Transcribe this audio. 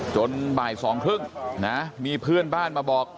จนบ่ายสองครึ่งนะมีเพื่อนบ้านมาบอก